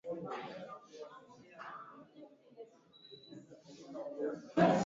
Sauti ya mnyama kupungua mpaka kupooza ni dalili ya ugonjwa wa kichaa cha mbwa